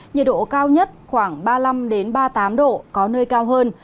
nhiệt độ cao nhất khoảng ba mươi năm ba mươi tám độ có nơi cao hơn